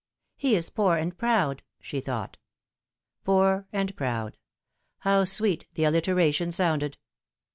" He is poor and proud," she thought. Poor and proud. How sweet the alliteration sounded